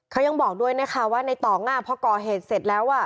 เขายังบอกด้วยนะคะว่าในต่องพอก่อเหตุเสร็จแล้วอ่ะ